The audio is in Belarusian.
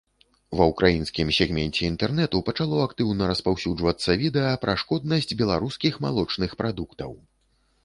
Ва украінскім сегменце інтэрнэту пачало актыўна распаўсюджвацца відэа пра шкоднасць беларускіх малочных прадуктаў.